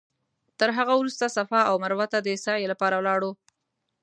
تر هغه وروسته صفا او مروه ته د سعې لپاره لاړو.